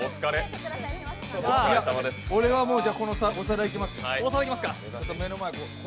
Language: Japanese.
俺はもう、このお皿いきます。